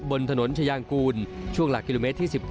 บนถนนชายางกูลช่วงหลักกิโลเมตรที่๑๙